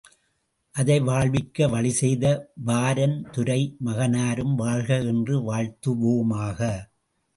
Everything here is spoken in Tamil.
அதை வாழ்விக்க வழிசெய்த வாரன் துரை மகனாரும் வாழ்க என்று வாழ்த்துவோமாக!